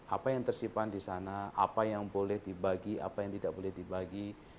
apa yang tersimpan di sana apa yang boleh dibagi apa yang tidak boleh dibagi